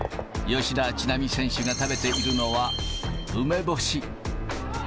吉田知那美選手が食べているのは、梅干し。